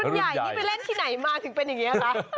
ใหญ่นี่ไปเล่นที่ไหนมาถึงเป็นอย่างนี้คะ